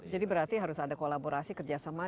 jadi berarti harus ada kolaborasi kerjasama